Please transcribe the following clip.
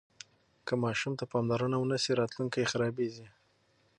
که ماشوم ته پاملرنه ونه سي راتلونکی یې خرابیږي.